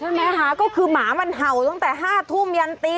ไหมคะก็คือหมามันเห่าตั้งแต่๕ทุ่มยันตี